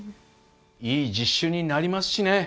いい実習になりますしね。